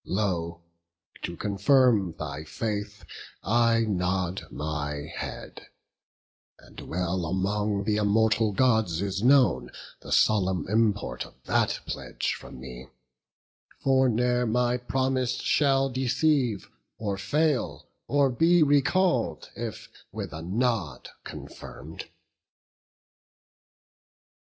Lo, to confirm thy faith, I nod my head; And well among th' immortal Gods is known The solemn import of that pledge from me: For ne'er my promise shall deceive, or fail, Or be recall'd, if with a nod confirm'd."